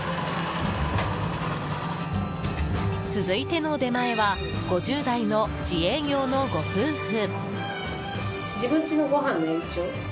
続いての出前は５０代の自営業のご夫婦。